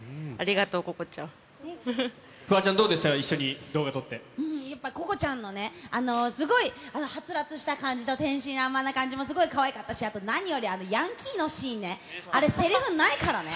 フワちゃん、どうでしたか、やっぱここちゃんのね、すごいはつらつした感じと、天真爛漫な感じもすごいかわいかったし、あと何よりあのヤンキーのシーンね、あれ、せりふないからね。